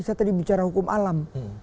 saya tadi bicara hukum alam